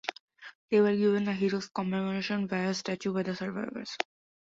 They were given a hero's commemoration via a statue by the survivors.